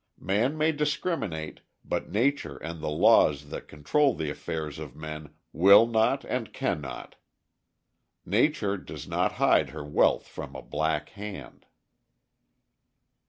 Man may discriminate, but nature and the laws that control the affairs of men will not and cannot. Nature does not hide her wealth from a black hand.